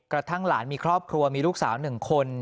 กระทั่งหลานมีครอบครัวมีลูกสาว๑คน